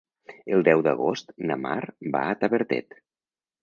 El deu d'agost na Mar va a Tavertet.